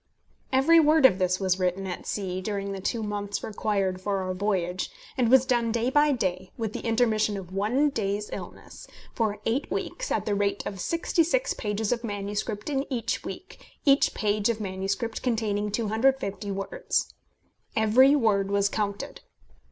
Every word of this was written at sea, during the two months required for our voyage, and was done day by day with the intermission of one day's illness for eight weeks, at the rate of 66 pages of manuscript in each week, every page of manuscript containing 250 words. Every word was counted.